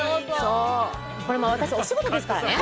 私、お仕事ですからね。